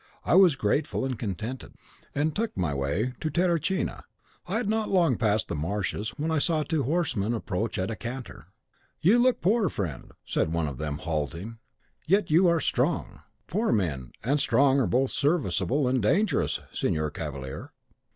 I was grateful and contented, and took my way to Terracina. I had not long passed the marshes when I saw two horsemen approach at a canter. "'You look poor, friend,' said one of them, halting; 'yet you are strong.' "'Poor men and strong are both serviceable and dangerous, Signor Cavalier.